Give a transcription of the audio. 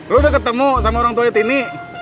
lo udah ketemu sama orang tua ini